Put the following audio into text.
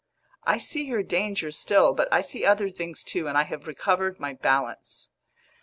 I see your danger still, but I see other things too, and I have recovered my balance.